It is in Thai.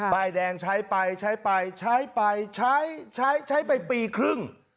ใบแดงใช้ไปใช้ไปใช้ไปใช้ใช้ไปปีครึ่ง